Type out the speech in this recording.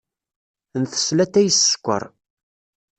Ntess latay s sskeṛ.